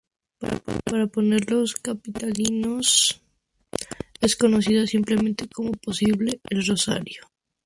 Para ponerlos capitalinos es conocida simplemente como posible El Rosario.